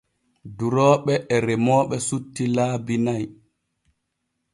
Durooɓe e remooɓe sutti laabi na'i.